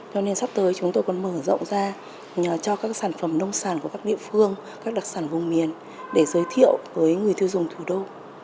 cho nên sắp tới chúng tôi còn mở rộng ra cho các sản phẩm nông sản của các địa phương các đặc sản vùng miền để giới thiệu với người tiêu dùng thủ đô